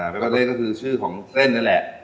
เบบเบอร์เต้นก็คือชื่อของเส้นเนี่ยแหละ